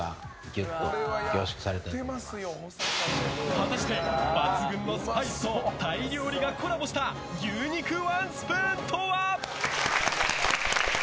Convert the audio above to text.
果たして、抜群のスパイスとタイ料理がコラボした牛肉ワンスプーンとは？